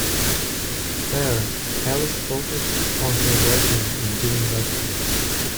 There, Alice focused on her writing and giving lectures.